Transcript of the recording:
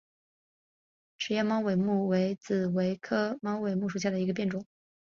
齿叶猫尾木为紫葳科猫尾木属下的一个变种。